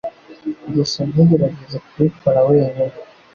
Gusa ntugerageze kubikora wenyine